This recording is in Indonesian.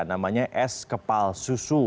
namanya es kepal susu